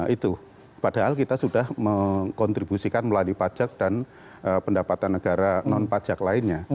itu padahal kita sudah mengkontribusikan melalui pajak dan pendapatan negara non pajak lainnya